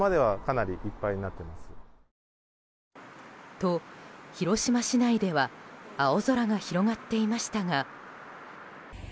と、広島市内では青空が広がっていましたが。